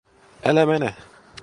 Älä mene!